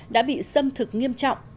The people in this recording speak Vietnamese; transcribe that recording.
đã bị xâm thực nghiêm trọng